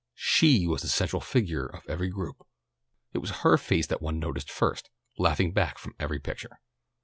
She was the central figure of every group. It was her face that one noticed first, laughing back from every picture.